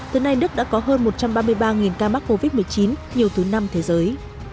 từ nay đức đã có hơn một trăm ba mươi ba ca mắc covid một mươi chín nhiều thứ năm thế giới